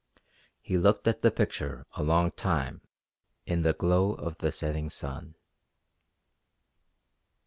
He looked at the picture a long time in the glow of the setting sun.